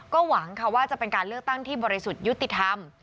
ก็หวังค่ะว่าจะเป็นการเลือกตั้งที่บริสุทธิ์ยุติธรรม